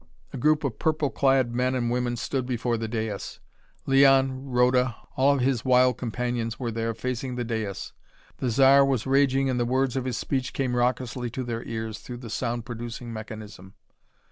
A group of purple clad men and women stood before the dais. Leon, Rhoda all of his wild companions were there, facing the dais. The Zar was raging and the words of his speech came raucously to their ears through the sound producing mechanism.